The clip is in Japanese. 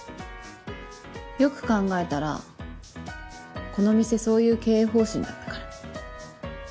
よく考えたらこの店そういう経営方針だったから。